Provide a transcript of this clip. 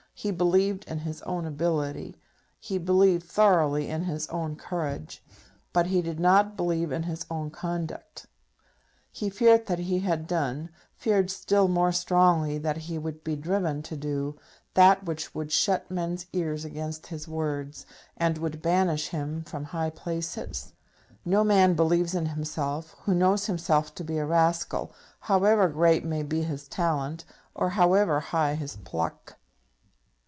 He believed in his own ability; he believed thoroughly in his own courage; but he did not believe in his own conduct. He feared that he had done, feared still more strongly that he would be driven to do, that which would shut men's ears against his words, and would banish him from high places. No man believes in himself who knows himself to be a rascal, however great may be his talent, or however high his pluck.